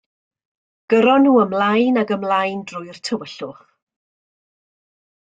Gyrron nhw ymlaen ac ymlaen drwy'r tywyllwch.